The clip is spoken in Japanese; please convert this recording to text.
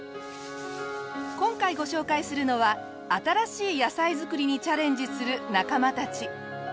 今回ご紹介するのは新しい野菜作りにチャレンジする仲間たち。